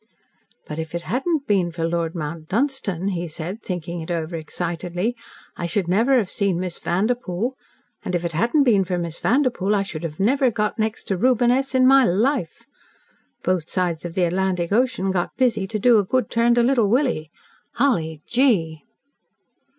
"But, if it hadn't been for Lord Mount Dunstan," he said, thinking it over excitedly, "I should never have seen Miss Vanderpoel, and, if it hadn't been for Miss Vanderpoel, I should never have got next to Reuben S. in my life. Both sides of the Atlantic Ocean got busy to do a good turn to Little Willie. Hully gee!"